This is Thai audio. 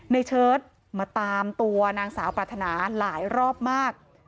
เชิดมาตามตัวนางสาวปรารถนาหลายรอบมาก